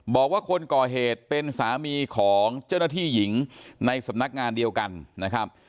บอกว่าคนก่อเหตุเป็นสามีของเจ้าหน้าที่หญิงในสำนักงานเดียวกันนะครับ